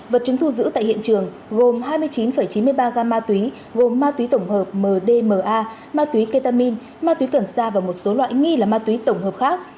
vật chứng thu giữ tại hiện trường gồm hai mươi chín chín mươi ba gam ma túy gồm ma túy tổng hợp mdma ma túy ketamin ma túy cần sa và một số loại nghi là ma túy tổng hợp khác